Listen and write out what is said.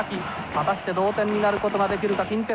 果たして同点になることができるか近鉄。